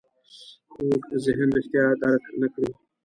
کوږ ذهن رښتیا درک نه کړي